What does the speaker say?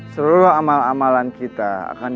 seluruh amal amalan kita akan